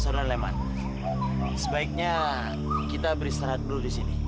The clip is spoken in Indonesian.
saudara leman sebaiknya kita beristirahat dulu di sini